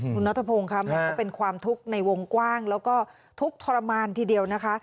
คุณนัทพงศ์ค่ะแม่ก็เป็นความทุกข์ในวงกว้างแล้วก็ทุกข์ทรมานทีเดียวนะคะ